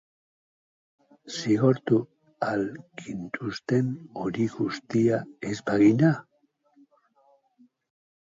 Zigortuko al gintuzten hori guztia ez bagina?